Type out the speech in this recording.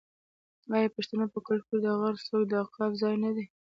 آیا د پښتنو په کلتور کې د غره څوکه د عقاب ځای نه دی؟